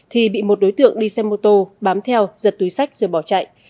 thì bị một đối tượng đi xe mô tô bám theo giật túi sách rồi bỏ chạy